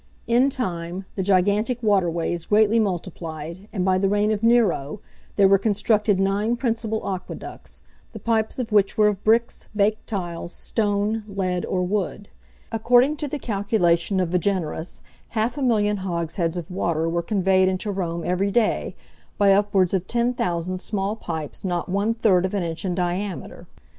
In time, the gigantic waterways greatly multiplied, and, by the reign of Nero, there were constructed nine principal aqueducts, the pipes of which were of bricks, baked tiles, stone, lead, or wood. According to the calculation of Vigenerus, half a million hogsheads of water were conveyed into Rome every day, by upwards of 10,000 small pipes not one third of an inch in diameter.